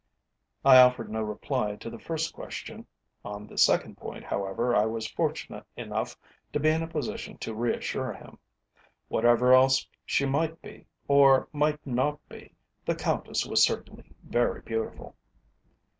I offered no reply to the first question. On the second point, however, I was fortunate enough to be in a position to reassure him. Whatever else she might be, or might not be, the Countess was certainly very beautiful.